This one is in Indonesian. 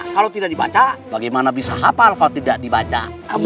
kalau tidak dibaca bagaimana bisa hafal kalau tidak dibaca